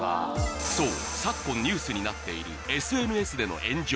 そう昨今ニュースになっているＳＮＳでの炎上